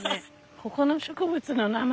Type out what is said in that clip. ここの植物の名前